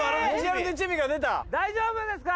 大丈夫ですか？